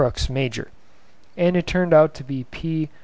crux major, and it turned out to be P.